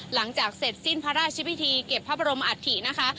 หลังจากเสร็จสิ้นพระราชพิธีเก็บพระบรมอัฐินะคะ